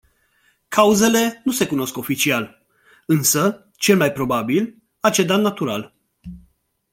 Cauzele nu se cunosc oficial, însă, cel mai probabil, a cedat natural.